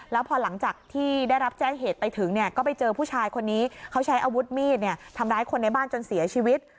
แล้วพอหลังจากที่ได้รับแจ้งเหตุไปถึงเนี่ยก็ไปเจอผู้ชายคนนี้เขาใช้อาวุธมีดทำร้ายคนในบ้านจนเสียชีวิต